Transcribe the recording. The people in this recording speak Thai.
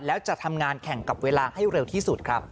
แล้วจะทำงานแข่งกับเวลาให้เร็วที่สุดครับ